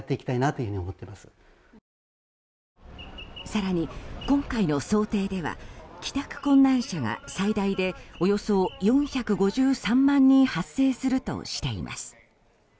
更に今回の想定では帰宅困難者が最大でおよそ４５３万人発生するとしています。